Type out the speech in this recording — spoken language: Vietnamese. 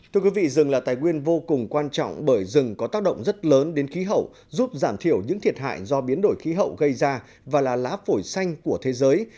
thưa quý vị rừng là tài nguyên vô cùng quan trọng bởi rừng có tác động rất lớn đến khí hậu giúp giảm thiểu những thiệt hại do biến đổi khí hậu gây ra và là lá phổi xanh của thế giới